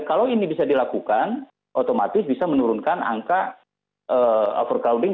kalau ini bisa dilakukan otomatis bisa menurunkan angka overcrowding